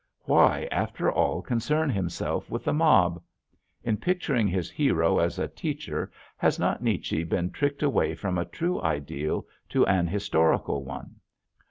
Why, after all, concern himself with the mob. In picturing his hero as a teacher has not Nietzsche been tricked away from a true ideal to an historical one?